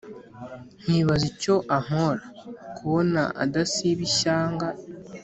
nkibaza icyo ampora, kubona adasiba ishyanga